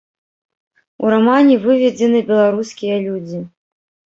У рамане выведзены беларускія людзі.